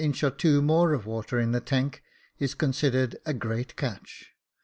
Jacob Faithful i8i or two more of water in the tank is considered a great catch.